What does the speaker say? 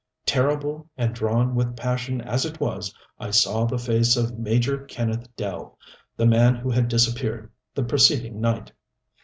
Terrible and drawn with passion as it was, I saw the face of Major Kenneth Dell, the man who had disappeared the preceding night.